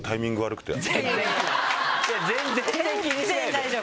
いや全然気にしないで。